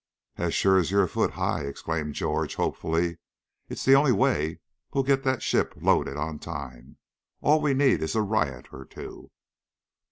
"As sure as you're a foot high!" exclaimed George, hopefully. "It's the only way we'll get that ship loaded on time. All we need is a riot or two."